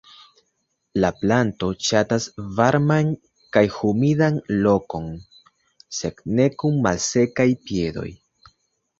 La planto ŝatas varman kaj humidan lokon, sed ne kun "malsekaj piedoj".